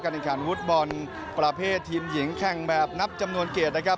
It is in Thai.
การถือขันวู้ดบอลประเภททีมหญิงแข่งแบบนับจำนวนเกษนะครับ